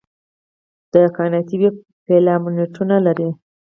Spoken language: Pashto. د کائناتي ویب فیلامنټونه لري.